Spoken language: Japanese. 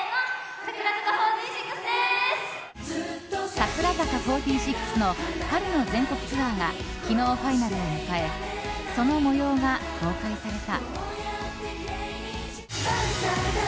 櫻坂４６の春の全国ツアーが昨日、ファイナルを迎えその模様が公開された。